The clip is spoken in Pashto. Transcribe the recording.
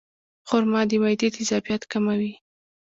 خرما د معدې تیزابیت کموي.